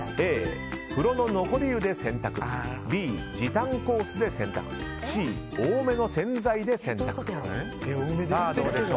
Ａ、風呂の残り湯で洗濯Ｂ、時短コースで洗濯Ｃ、多めの洗剤で洗濯。